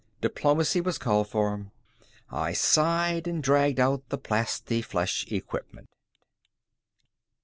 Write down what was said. Diplomacy was called for. I sighed and dragged out the plastiflesh equipment.